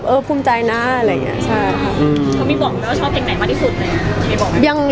ก็มีบอกบอกว่าชอบเพลงไหนอยู่สุด